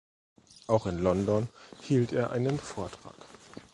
Auch in London hielt er einen Vortrag.